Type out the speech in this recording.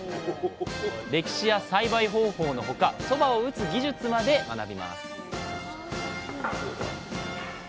歴史や栽培方法のほかそばを打つ技術まで学びます